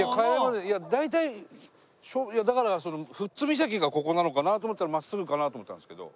大体だから富津岬がここなのかなと思ったら真っすぐかなと思ったんですけど。